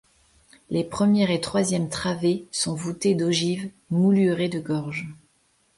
Les première et troisième travées sont voûtées d'ogives moulurées de gorge.